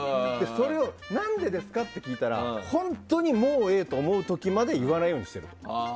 それを何でですか？って聞いたら本当にもうええ！と思う時まで言わないようにしてるって。